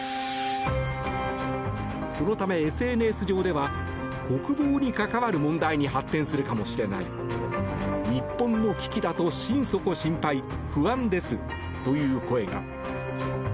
そのため、ＳＮＳ上では国防に関わる問題に発展するかもしれない日本の危機だと心底心配不安ですという声が。